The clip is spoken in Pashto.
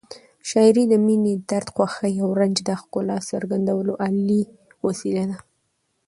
شاعري د مینې، درد، خوښۍ او رنج د ښکلا څرګندولو عالي وسیله ده.